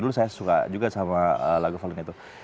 dulu saya suka juga sama lagu valid itu